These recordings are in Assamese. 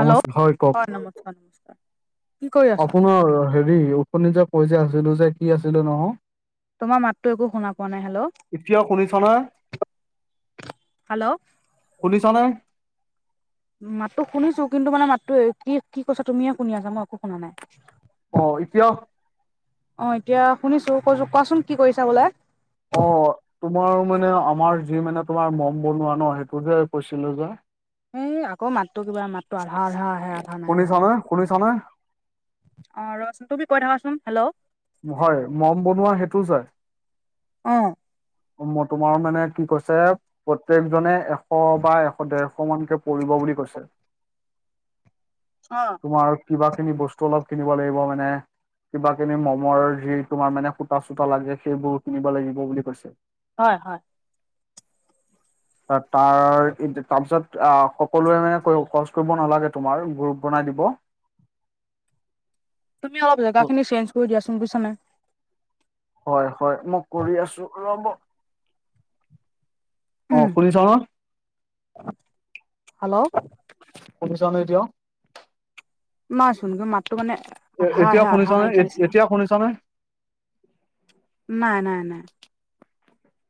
হেল্ল' হয় কওক, নমস্কাৰ নমস্কাৰ। কি কৰি আছা? আপোনাৰ- হেৰি, উথনি যে কৈ যে আছিলো যে কি আছিলো নহয়। তোমাৰ মাতটো একো শুনা পোৱা নাই, এতিয়া শুনিছানে হেল্ল', - হেল্ল', শুনিছানে? মাতো শুনিছো কিন্তু মানে মাতো কি কি কছা তুমিয়ে শুনি আছা মই একো শুনা নাই। অঁ এতিয়া- অঁ এতিয়া শুনিছো কৈছো কোৱাচোন কি কৰিছা বোলে। অ তোমাৰ মানে আমাৰ যি মানে তোমাৰ মম বনোৱা ন সেইটো যে কৈছিলো যে এই আকৌ মাতটো কিবা মাতটো আধা আধা আহে আধা নাই আধা শুনিছানে নাই। শুনিছানে অ ৰ চোণ তুমি কৈ থাকাচোন, হেল্ল'- হয় মম বনোৱা সেইটো যে অঁ - তোমাৰ মানে কি কৈছে প্ৰত্যেকজনে এ- এশ বা এশ ডেৰশ মানকে পৰিব বুলি কৈছে। অঁ তোমাৰ কিবা খিনি বস্তু অলপ কিনিব লাগিব মানে কিবা। যি তোমাৰ মানে সুতা চোতা লাগে সেইবোৰ কিনিব লাগিব বুলি কৈছে। হয় হয় তাৰ তাৰ তাৰপিছত আ সকলোৱে মানে খৰচ কৰিব নালাগে, তোমাৰ গ্ৰুপ বনাই দিব। তুমি অলপ জেগাখিনি চেঞ্জ দিয়াচোন বুজিছা নাই? হয় হয় মই কৰি আছো ৰব! অ উম শুনিছা ন হেল্ল' শুনিছা ন এতিয়াও। মাচোন মাতটো মানে আধা এতিয়া আহে শুনিছ আধা নে নাইকিয়া নিচিনা। এতিয়া শুনিছ নে নাই নাই নাই।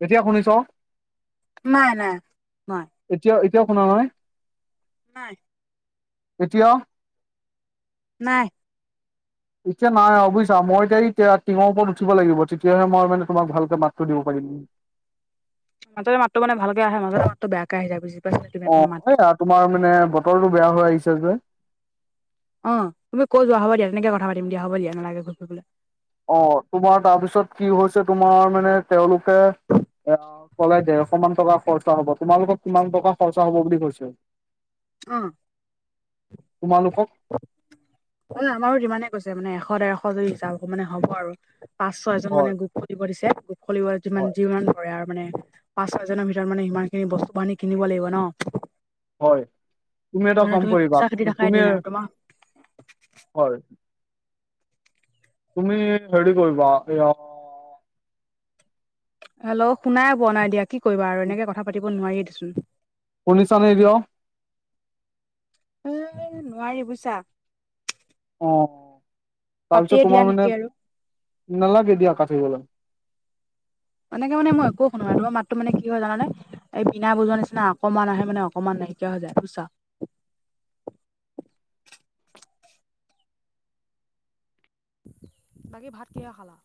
এতিয়া শুনিছ? নাই নাই মই এতিয়া এতিয়াও শুনা নাই? নাই। এতিয়াও নাই। এতিয়া নাই বুজিছা? মই এতিয়া এতিয়া টিঙৰ ওপৰত উঠিব লাগিব তেতিয়াহে মই মানে তোমাক ভালকে মাতটো দিব পাৰিম। মাজতে মাতটো মানে ভালকে আহে, মাজতে মাতটো বেয়াকে আহি যায় বুজিছা? অ এইয়া তোমাৰ মানে বতৰটো বেয়া হৈ আহিছে যে। অ তুমি কয় যোৱা হ'ব দিয়া তেনেক কথা পাতিম দিয় হ'ব দিয়া নালাগে ঘূৰি ফুৰিবলে। অ তোমাৰ তাৰপিছত কি হৈছে তোমাৰ মানে তেওঁলোকে এ কলে ডেৰশ মান টকা খৰচা হব, তোমালোকক কিমান টকা খৰচা হব বুলি কৈছে? অ। ন তোমালোকক আমাৰো যিমানে কৈছে মানে এশ - ডেৰশ যদি হিচাপ মানে হ'ব আৰু। পাঁচ - ছয়জন হয়, মানে গোপ খুলিব দিছে গোপ খুলিব যি যিমান হয়, ধৰে আৰু মানে পাঁচ - ছয়জনৰ ভিতৰত মানে সিমানখিনি বস্তু বাহানি কিনিব লাগিব ন? হয় তুমি এটা মানে কৰিবা, পইচা খেদি থাকাই তুমি দিন আৰু তোমাৰ হয়। তুমি হেৰি কৰিবা এয়া হেল্ল' শুনাই পোৱা নাই দিয়া কি কৰিবা আৰু এনেকে কথা পাতিব নোৱাৰি দিচোন? শুনিছানে এতিয়াও? এ নোৱাৰি বুইছা? অঁ তাৰপিছত পাতিয়ে দিয়া তোমাৰ মানে নেকি আৰু নালাগে দিয়া কাটিবলে। এনেকে মানে মই একো শুনো নাই, তোমাৰ মাতটো মানে কি হয় জানানে? এই বিনা বজোৱাৰ নিচিনা অকমান আহে মানে অকনমান নাইকিয়া হৈ যায় বুইছা? বাকী ভাত কিহে খালা?